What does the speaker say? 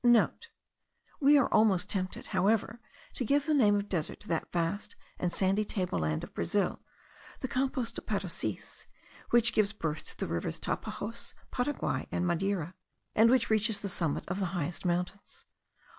*(* We are almost tempted, however, to give the name of desert to that vast and sandy table land of Brazil, the Campos dos Parecis, which gives birth to the rivers Tapajos, Paraguay, and Madeira, and which reaches the summit of the highest mountains.